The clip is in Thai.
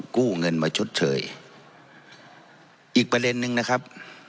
กู้เงินมาชดเชยอีกประเด็นนึงนะครับ